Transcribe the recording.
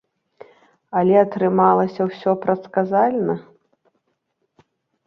Але атрымалася ўсё прадказальна.